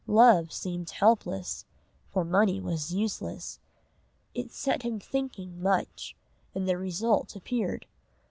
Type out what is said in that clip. Love seemed helpless, for money was useless. It set him thinking much, and the result appeared.